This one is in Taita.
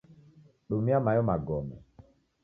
Dumia mayo magome